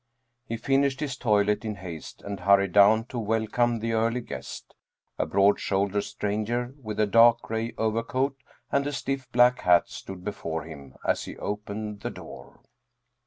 He finished his toilet in haste and hurried down to welcome the early guest. A broad shouldered stranger with a dark gray overcoat and a stiff black hat stood before him as he opened the door.